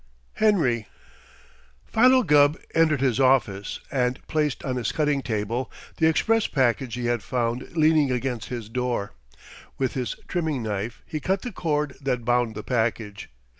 HENRY Philo Gubb entered his office and placed on his cutting table the express package he had found leaning against his door. With his trimming knife he cut the cord that bound the package.